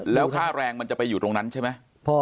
แล้วค่าแรงมันจะไปอยู่ตรงนั้นใช่ไหม